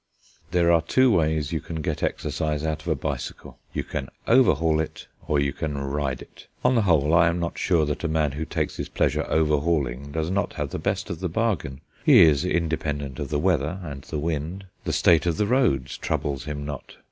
There are two ways you can get exercise out of a bicycle: you can "overhaul" it, or you can ride it. On the whole, I am not sure that a man who takes his pleasure overhauling does not have the best of the bargain. He is independent of the weather and the wind; the state of the roads troubles him not.